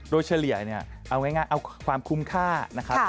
โดยเฉลี่ยเนี่ยเอาง่ายเอาความคุ้มค่านะครับ